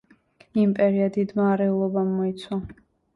იმპერია დიდმა არეულობამ მოიცვა.